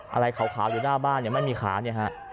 อะไรขาวอยู่หน้าบ้านเนี่ยไม่มีขาเนี่ยฮะ